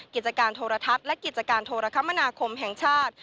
กิจการโทรทัศน์และกิจการโทรคมนาคมแห่งชาติ